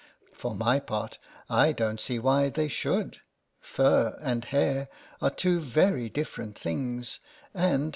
For my part I don't see why they should ; fur and hair are two very different things, and